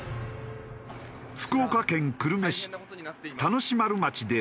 福岡県久留米市田主丸町では。